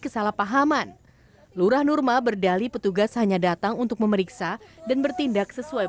kesalahpahaman lurah nurma berdali petugas hanya datang untuk memeriksa dan bertindak sesuai